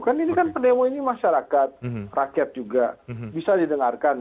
kan ini kan pendemo ini masyarakat rakyat juga bisa didengarkan